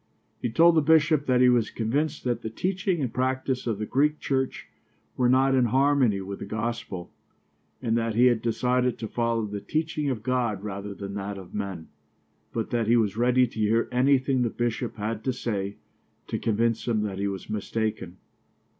He told the bishop that he was convinced that the teaching and practice of the Greek Church were not in harmony with the gospel, and that he had decided to follow the teaching of God rather than that of men, but that he was ready to hear anything the bishop had to say to convince him that he was mistaken.